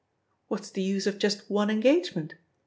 What's the use of just one engagement?